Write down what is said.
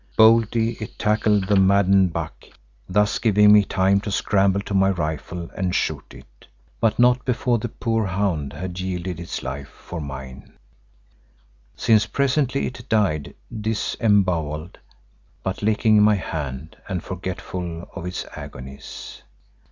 Boldly it tackled the maddened buck, thus giving me time to scramble to my rifle and shoot it, but not before the poor hound had yielded its life for mine, since presently it died disembowelled, but licking my hand and forgetful of its agonies.